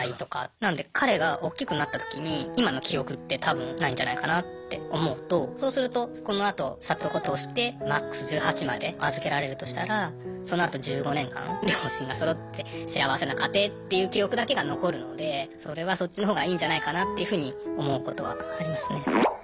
なので彼がおっきくなったときに今の記憶って多分ないんじゃないかなって思うとそうするとこのあと里子としてマックス１８まで預けられるとしたらそのあと１５年間両親がそろって幸せな家庭っていう記憶だけが残るのでそれはそっちのほうがいいんじゃないかなっていうふうに思うことはありますね。